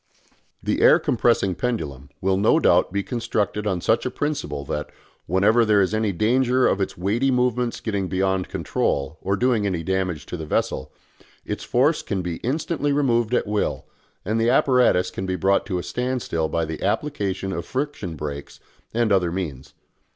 The air compressing pendulum will no doubt be constructed on such a principle that, whenever there is any danger of its weighty movements getting beyond control or doing any damage to the vessel, its force can be instantly removed at will, and the apparatus can be brought to a standstill by the application of friction brakes and other means.